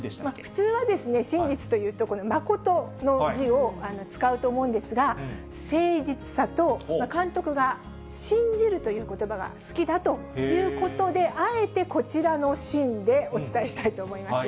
普通はしんじつというと、この真の字を使うと思うんですが、誠実さと、監督が信じるということばが好きだということで、あえてこちらの信でお伝えしたいと思います。